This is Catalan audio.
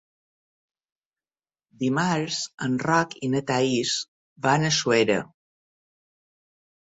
Dimarts en Roc i na Thaís van a Suera.